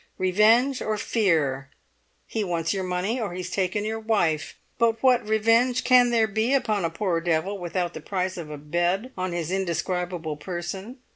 Revenge or fear; he wants your money, or he's taken your wife! But what revenge can there be upon a poor devil without the price of a bed on his indescribable person?